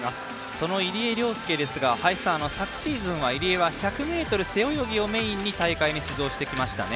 その入江陵介ですが昨シーズンは入江は１００ｍ背泳ぎをメインに大会に出場してきましたね。